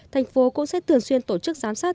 tp hcm cũng sẽ thường xuyên tổ chức giám sát